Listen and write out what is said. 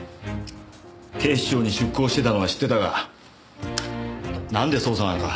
警視庁に出向してたのは知ってたがなんで捜査なんか？